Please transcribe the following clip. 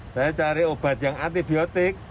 saya cari obat yang antibiotik